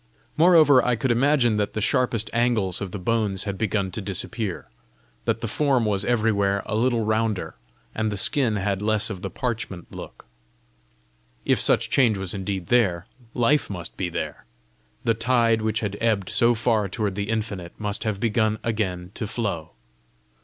Moreover, I could imagine that the sharpest angles of the bones had begun to disappear, that the form was everywhere a little rounder, and the skin had less of the parchment look: if such change was indeed there, life must be there! the tide which had ebbed so far toward the infinite, must have begun again to flow!